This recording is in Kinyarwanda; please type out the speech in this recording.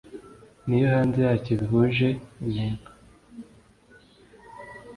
N iyo hanze yacyo bihuje intego